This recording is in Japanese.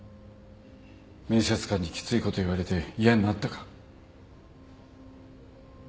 面接官にきついこと言われて嫌になったか？